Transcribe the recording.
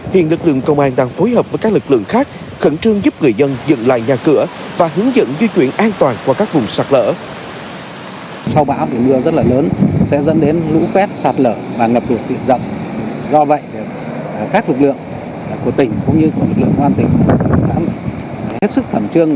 hiện lực lượng công an đang phối hợp với các lực lượng khác khẩn trương giúp người dân dựng lại nhà cửa và hướng dẫn di chuyển an toàn qua các vùng sạt lở